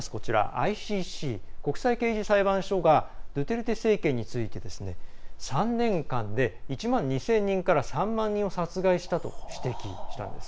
ＩＣＣ＝国際刑事裁判所がドゥテルテ政権について３年間で１万２０００人から３万人を殺害したと指摘したんです。